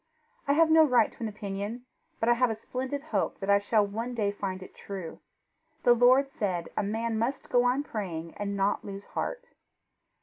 I have no right to an opinion, but I have a splendid hope that I shall one day find it true. The Lord said a man must go on praying and not lose heart."